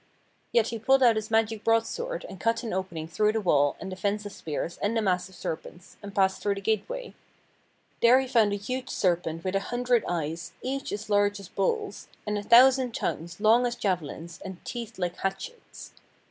Yet he pulled out his magic broad sword and cut an opening through the wall and the fence of spears and the mass of serpents, and passed through to the gateway. There he found a huge serpent with a hundred eyes, each as large as bowls, and a thousand tongues long as javelins, and teeth like hatchets.